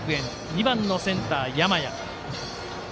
２番のセンター、山家。